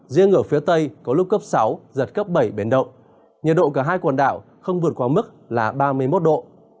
riêng ở phía tây có lúc cấp sáu giật cấp bảy biển động nhiệt độ cả hai quần đảo không vượt qua mức là ba mươi một độ